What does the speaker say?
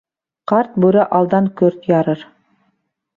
Ҡарт бүре алдан көрт ярыр.